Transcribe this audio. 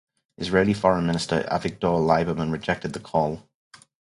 Israeli Foreign Minister Avigdor Lieberman rejected the call.